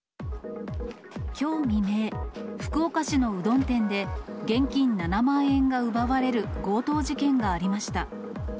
きょう未明、福岡市のうどん店で、現金７万円が奪われる強盗事件がありました。